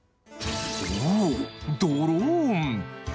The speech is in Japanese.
おおドローン。